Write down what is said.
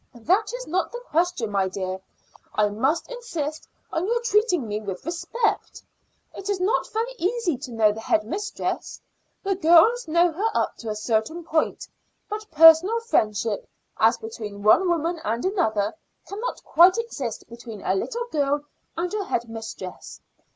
"That is not the question, my dear. I must insist on your treating me with respect. It is not very easy to know the head mistress; the girls know her up to a certain point, but personal friendship as between one woman and another cannot quite exist between a little girl and her head mistress.